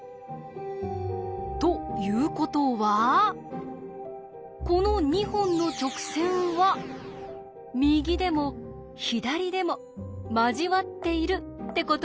ということはこの２本の直線は右でも左でも交わっているってことになります。